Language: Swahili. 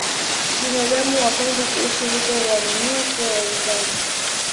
Binadamu wa kwanza kuishi huko huaminiwa kuwa wawindaji